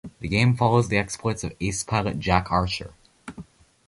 The game follows the exploits of ace pilot Jack Archer.